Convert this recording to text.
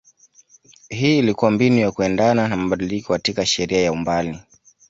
hii ilikua mbinu ya kuendana na mabadiliko katika sheria ya mbali